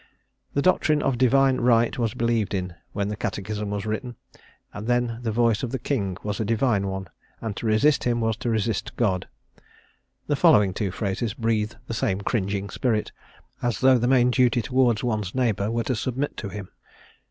The doctrine of divine right was believed in when the Catechism was written, and then the voice of the king was a divine one, and to resist him was to resist God. The two following phrases breathe the same cringing spirit, as though the main duty towards one's neighbour were to submit to him.